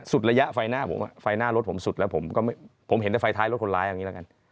สุดระยะไฟหน้าผมฮะไฟหน้ารถผมสุดแล้วผมก็ไม่ผมเห็นแต่ไฟท้ายรถคนร้ายแบบนี้แล้วกัน